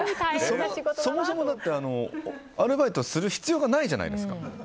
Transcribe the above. そもそもアルバイトする必要がないじゃないですか。